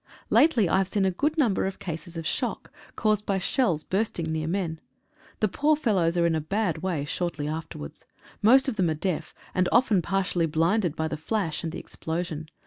Lately I have seen a good number of cases of shock, caused by shells burst ing near men. The poor fellows are in a bad way shortly afterwards. Most of them are deaf, and often partially blinded by the flash and the explosion.